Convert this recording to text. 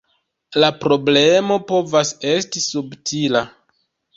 La problemo povas esti subtila.